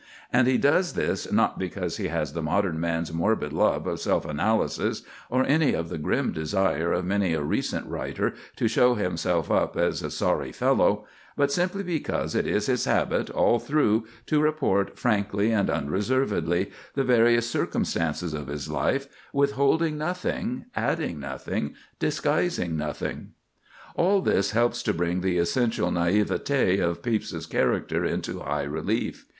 And he does this not because he has the modern man's morbid love of self analysis, or any of the grim desire of many a recent writer to show himself up as a sorry fellow, but simply because it is his habit all through to report frankly and unreservedly the various circumstances of his life, withholding nothing, adding nothing, disguising nothing. All this helps to bring the essential naïveté of Pepys's character into high relief.